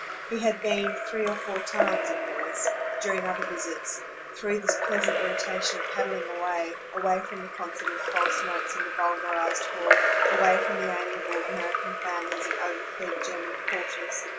He had been three or four times, in Venice, during other visits, through this pleasant irritation of paddling away away from the concert of false notes in the vulgarised hall, away from the amiable American families and overfed German porters.